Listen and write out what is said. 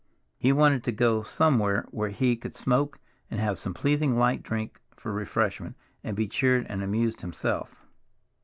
He wanted to go somewhere where he could smoke and have some pleasing light drink for refreshment, and be cheered and amused himself.